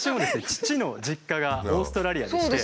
父の実家がオーストラリアでして。